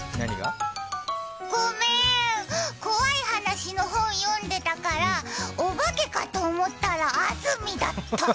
ごめーん、怖い話の本、読んでたから、お化けかと思ったら安住だった。